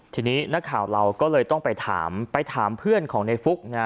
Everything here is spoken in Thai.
ทีนี้นักข่าวเราก็เลยต้องไปถามไปถามเพื่อนของในฟุกนะ